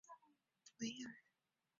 穆瓦斯维尔。